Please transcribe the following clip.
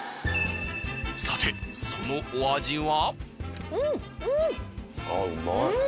さてそのお味は？